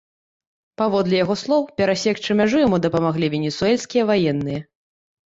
Паводле яго слоў, перасекчы мяжу яму дапамаглі венесуэльскія ваенныя.